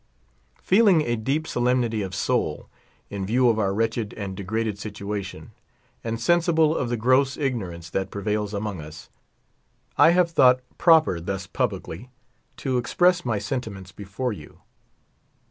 Feeling a deep solemnity of soul, in viewof our wretched and degraded situation, and sensible of the gross ignor ance that prevails among us, I have thought proper thus publicly to express my sentiments before you.